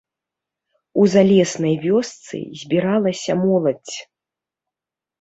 У залеснай вёсцы збіралася моладзь.